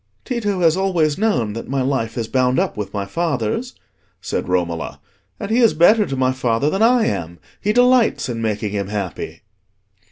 "Tito has always known that my life is bound up with my father's," said Romola; "and he is better to my father than I am: he delights in making him happy."